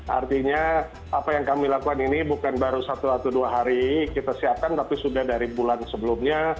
artinya apa yang kami lakukan ini bukan baru satu atau dua hari kita siapkan tapi sudah dari bulan sebelumnya